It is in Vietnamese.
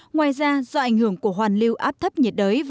ngoài ra do ảnh hưởng của hoàn lưu áp thấp nhiệt đới